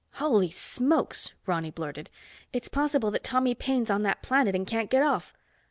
"Holy smokes!" Ronny blurted. "It's possible that Tommy Paine's on that planet and can't get off.